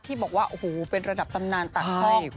ที่บอกว่าโอ้โหเป็นระดับตำนานตักศพ